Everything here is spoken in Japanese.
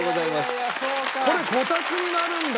これこたつになるんだ！